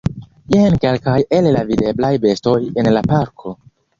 Jen kelkaj el la videblaj bestoj en la parko.